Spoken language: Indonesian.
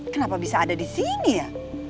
kenapa bisa ada di sini ya